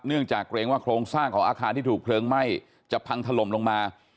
จากเกรงว่าโครงสร้างของอาคารที่ถูกเพลิงไหม้จะพังถล่มลงมา